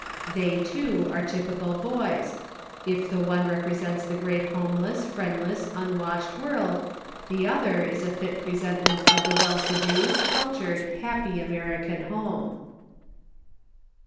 They two are typical boys ; if the one represents the great homeless, friendless, 40 P.RACTICING. unwashed world, the other is a fit presentment of the well to do, cultured, happy American home.